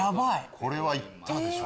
これは行ったでしょ。